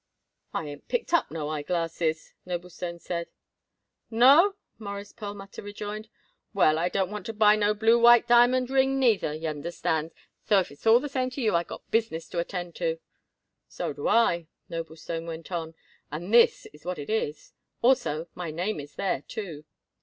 "I ain't picked up no eye glasses," Noblestone said. "No?" Morris Perlmutter rejoined. "Well, I don't want to buy no blue white diamond ring neither, y'understand, so if it's all the same to you I got business to attend to." "So do I," Noblestone went on, "and this is what it is. Also my name is there too."